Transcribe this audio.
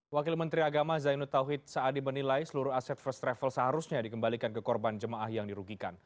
wakil menteri agama zainud tauhid saadi menilai seluruh aset first travel seharusnya dikembalikan ke korban jemaah yang dirugikan